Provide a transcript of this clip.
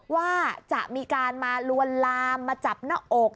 ว่าจะมีการมาลวนลามมาจับหน้าอก